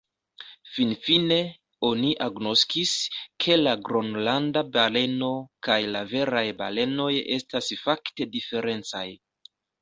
Finfine, oni agnoskis, ke la Gronlanda baleno kaj la veraj balenoj estas fakte diferencaj.